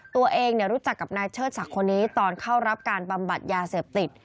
ตัวเองเนี่ยรู้จักกับนายเชิดศักดิ์คนนี้ตอนเข้ารับการปับบัดยาเสพติด